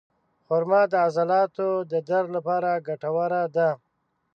خرما د عضلاتو د درد لپاره ګټوره ده.